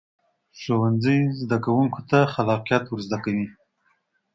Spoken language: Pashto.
ښوونځی زده کوونکو ته خلاقیت ورزده کوي